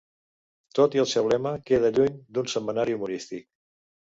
Tot i el seu lema, queda lluny d'un setmanari humorístic.